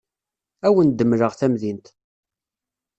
Ad awen-d-mleɣ tamdint.